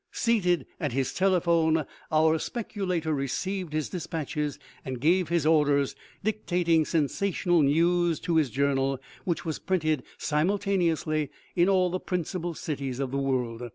Seated at his telephone, our speculator received his despatches and gave his orders, dictating sensational news to his journal, which was printed simultaneously in all the principal cities of the world.